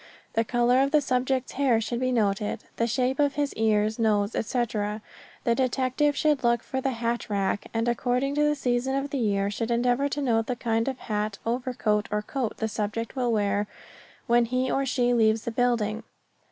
The color of the subject's hair should be noted; the shape of his ears, nose, etc. The detective should look for the hat rack, and according to the season of the year should endeavor to note the kind of hat, overcoat or coat the subject will wear when he or she leaves the building.